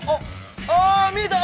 あ見えた！